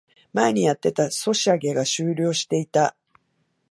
前にやってたソシャゲが終了してた